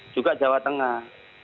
juga jawa tengah